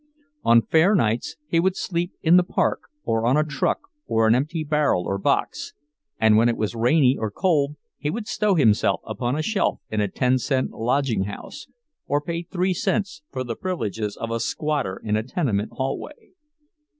On fair nights he would sleep in the park or on a truck or an empty barrel or box, and when it was rainy or cold he would stow himself upon a shelf in a ten cent lodging house, or pay three cents for the privileges of a "squatter" in a tenement hallway.